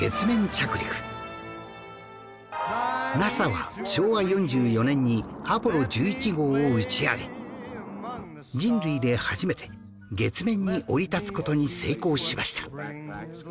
ＮＡＳＡ は昭和４４年にアポロ１１号を打ち上げ人類で初めて月面に降り立つ事に成功しました